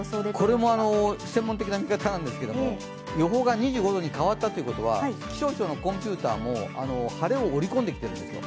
これも専門的な見方なんですけど予報が２５度に変わったということは気象庁のコンピュータも晴れを盛り込んできてるんですよ。